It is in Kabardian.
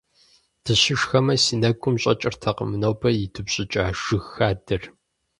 Дыщышхэми си нэгум щӀэкӀыртэкъым нобэ идупщӀыкӀа жыг хадэр.